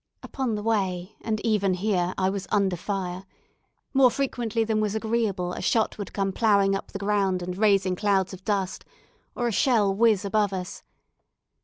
Upon the way, and even here, I was "under fire." More frequently than was agreeable, a shot would come ploughing up the ground and raising clouds of dust, or a shell whizz above us.